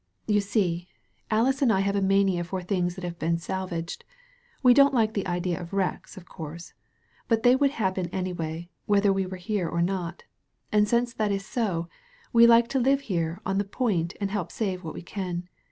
''You see, Alice and I have a mania for things that have been salvaged. We don't like the idea of the wrecks, of course. But they would happen any way, whether we were here or not. And since that is so, we like to live here on the point and help save what we can.